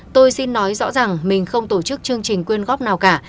tôi xin nói rõ rằng mình không tổ chức chương trình quyên góp nào cả